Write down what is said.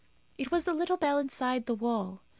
It was the little bell inside the wall.